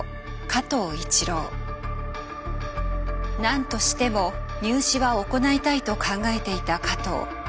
何としても入試は行いたいと考えていた加藤。